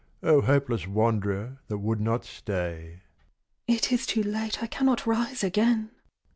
O hopeless wanderer that would not stay, ("It is too late, I cannot rise again!")